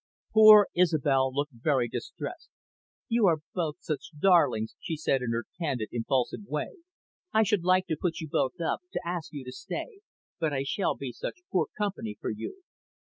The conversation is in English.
Poor Isobel looked very distressed. "You are both such darlings," she said, in her candid, impulsive way. "I should like to put you both up, to ask you to stay. But I shall be such poor company for you."